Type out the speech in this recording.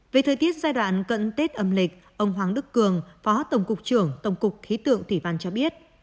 về thời tiết giai đoạn cận tết âm lịch ông hoàng đức cường phó tổng cục trưởng tổng cục khí tượng thủy văn cho biết